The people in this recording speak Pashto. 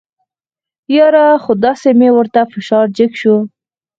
یاره خو داسې مې ورته فشار جګ شو.